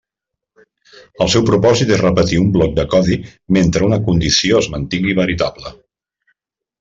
El seu propòsit és repetir un bloc de codi mentre una condició es mantingui veritable.